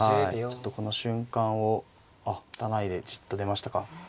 ちょっとこの瞬間をあっ打たないでじっと出ましたか。